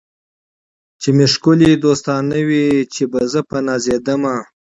چي مي ښکلي دوستان نه وي چي به زه په نازېدمه